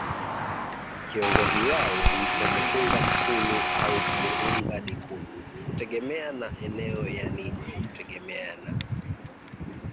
Kiongozi wao huitwa Muhunga Mkulu au Muhunga Dikulu kutegemea na eneo yaani kutegemea na